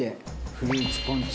フルーツポンチ。